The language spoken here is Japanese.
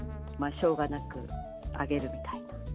しょうがなくあげるみたいな。